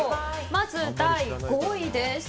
まず、第５位です。